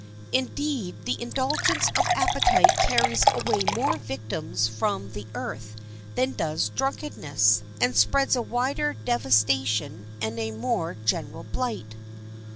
Indeed, the indulgence of appetite carries away more victims from the earth than does drunkenness, and spreads a wider devastation and a more general blight.